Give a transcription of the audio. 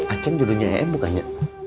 acing judulnya emu kan ya